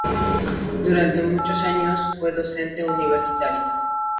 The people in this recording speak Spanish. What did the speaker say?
Durante muchos años fue docente universitario.